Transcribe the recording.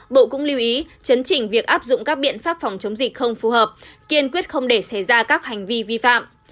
bộ cũng lưu ý chấn trình việc áp dụng các biện pháp phòng chống dịch không phù hợp kiên quyết không để xảy ra các hành vi vi phạm